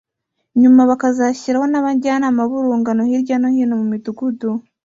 nyuma bakazashyiraho n’abajyanama b’urungano hirya no hino mu midugudu